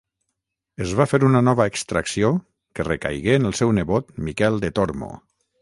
Es va fer una nova extracció que recaigué en el seu nebot Miquel de Tormo.